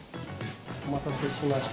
お待たせしました。